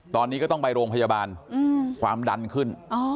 ตอนนี้ก็ต้องไปโรงพยาบาลความดันขึ้น